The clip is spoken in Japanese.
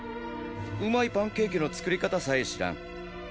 うまいパンケーキの作り方さえ知らん。